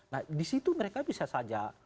nah disitu mereka bisa saja